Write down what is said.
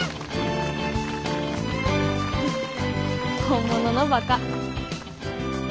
本物のバカ。